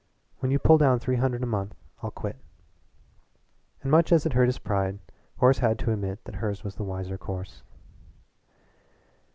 When you pull down three hundred a month I'll quit." And much as it hurt his pride, Horace had to admit that hers was the wiser course.